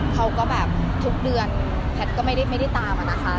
เขาก็แบบทุกเดือนแพทย์ก็ไม่ได้ตามอะนะคะ